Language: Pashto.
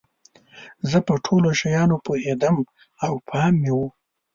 زه په ټولو شیانو پوهیدم او پام مې و.